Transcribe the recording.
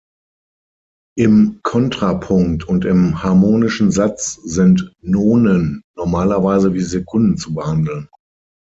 Im Kontrapunkt und im harmonischen Satz sind Nonen normalerweise wie Sekunden zu behandeln.